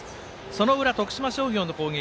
その裏、徳島商業の攻撃。